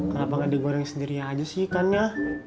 kenapa nggak digoreng sendiri aja sih ikannya